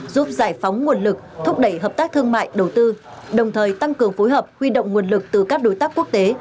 giúp giải phóng nguồn lực thúc đẩy hợp tác thương mại đầu tư đồng thời tăng cường phối hợp huy động nguồn lực từ các đối tác quốc tế